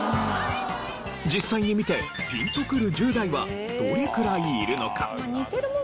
実際に見てピンとくる１０代はどれくらいいるのか？